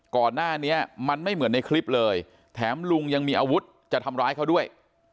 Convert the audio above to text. ก่อนหน้านี้มันไม่เหมือนในคลิปเลยแถมลุงยังมีอาวุธจะทำร้ายเขาด้วย